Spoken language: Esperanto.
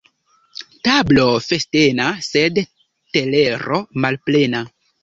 Tablo festena, sed telero malplena.